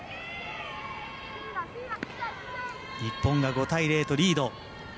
日本が５対０とリード。